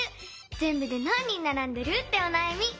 ぜんぶでなん人ならんでる？っておなやみ。